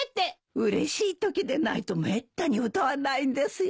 うれしいときでないとめったに歌わないんですよ。